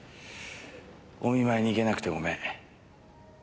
お見舞いに行けなくてごめん。